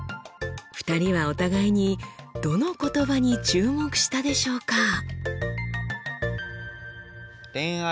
２人はお互いにどの言葉に注目したでしょうか？